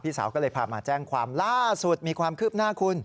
สาวก็เลยพามาแจ้งความล่าสุดมีความคืบหน้าคุณ